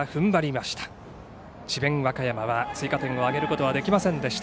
和歌山は追加点を挙げることはできませんでした。